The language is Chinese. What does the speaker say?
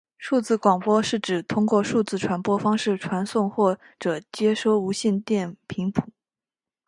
数字广播是指透过数字传播方式传送或者接收无线电频谱。